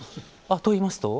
といいますと？